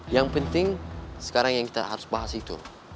yang penting sekarang yang kita harus bahas itu